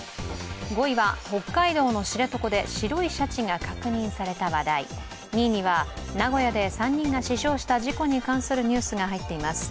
５位は、北海道の知床で白いシャチが確認された話題２位には名古屋で３人が死傷した事故に関するニュースが入っています。